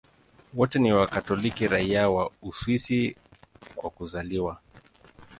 Wote ni Wakatoliki raia wa Uswisi kwa kuzaliwa.